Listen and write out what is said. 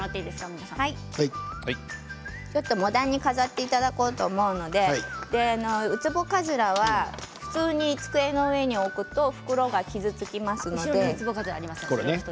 モダンに飾っていただこうと思うのでウツボカズラは普通に机の上に置くと袋が傷つきます。